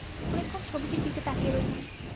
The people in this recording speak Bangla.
অনেকক্ষণ ছবিটির দিকে তাকিয়ে রইলাম!